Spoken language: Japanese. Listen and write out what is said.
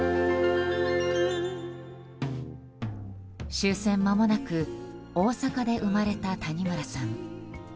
終戦まもなく大阪で生まれた谷村さん。